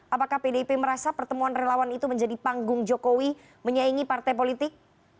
apakah pdip merasa pertemuan relawan itu menjadi panggung jokowi menyaingi partai politik